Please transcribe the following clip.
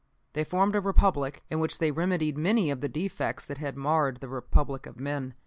"They formed a Republic, in which they remedied many of the defects that had marred the Republic of men.